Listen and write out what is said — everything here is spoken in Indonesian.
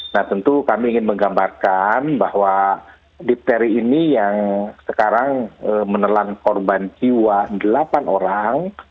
nah tentu kami ingin menggambarkan bahwa dipteri ini yang sekarang menelan korban jiwa delapan orang